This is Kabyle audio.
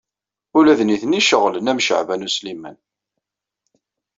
Ula d nitni ceɣlen am Caɛban U Sliman.